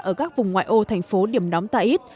ở các vùng ngoại ô thành phố điểm nóng taiz